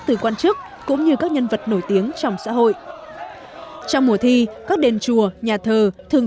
từ quan chức cũng như các nhân vật nổi tiếng trong xã hội trong mùa thi các đền chùa nhà thờ thường